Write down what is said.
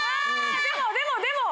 でもでもでも。